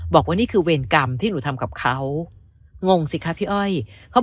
บอกว่านี่คือเวรกรรมที่หนูทำกับเขางงสิคะพี่อ้อยเขา